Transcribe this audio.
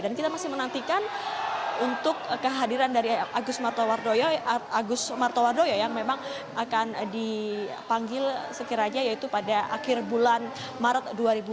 dan kita masih menantikan untuk kehadiran dari agus martowardoyo yang memang akan dipanggil sekiranya yaitu pada akhir bulan maret dua ribu tujuh belas